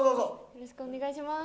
よろしくお願いします。